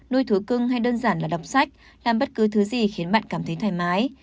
nuôi thú cưng hay đơn giản là đọc sách làm bất cứ thứ gì khiến bạn cảm thấy thoải mái